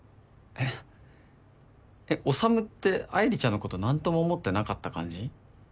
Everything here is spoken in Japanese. えっ修って愛梨ちゃんのこと何とも思ってなかった感じ？